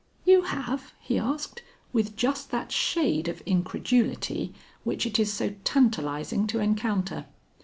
"You have?" he asked, with just that shade of incredulity which it is so tantalizing to encounter.